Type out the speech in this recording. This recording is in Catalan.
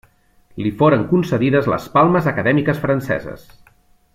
Li foren concedides les Palmes Acadèmiques franceses.